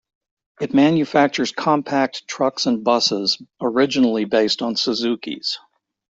It manufactures compact trucks and buses originally based on Suzukis.